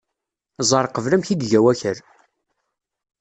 Ẓer qbel amek i iga wakal.